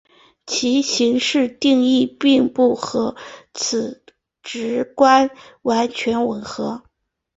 其形式定义并不和此直观完全吻合。